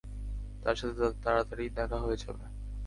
তার সাথে তাড়াতাড়ি দেখা হয়ে যাবে।